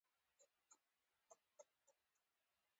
پاچا ته بيا خلک په سختو ورځو کې ور په ياد وي.